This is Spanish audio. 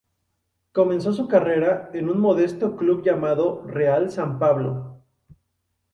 Comenzó su carrera en un modesto club llamado Real San Pablo.